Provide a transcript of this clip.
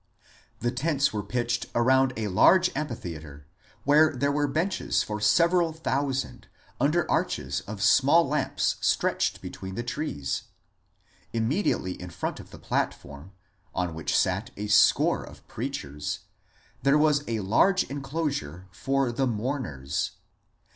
The tents were pitched around a large amphitheatre, where there were benches for several thousand, under arches of small lamps stretched between the trees. Immediately in front of the platform — on which sat a score of preachers — there was a large enclosure for the mourners."